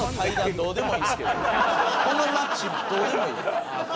このマッチどうでもいい。